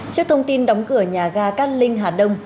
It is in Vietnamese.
trước thông tin đóng cửa nhà ga cát linh hà đông